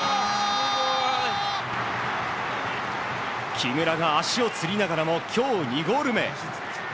木村が足をつりながらも今日２ゴール目。